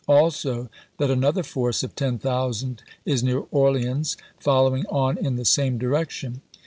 Also that another force of ten thousand is near Orleans, following on in the same direc tion.